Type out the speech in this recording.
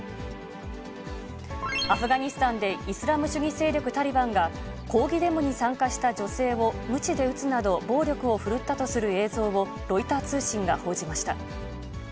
アフガニスタンでイスラム主義勢力タリバンが、抗議デモに参加した女性をムチで打つなど暴力を振るったとする映像をロイター通信が報じました。